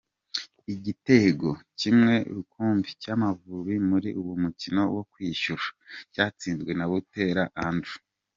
Igitego kimwe rukumbi cy’Amavubi muri uwo mukino wo kwishyura, cyatsinzwe na Buteera Andrew.